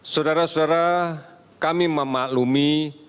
saudara saudara kami memaklumi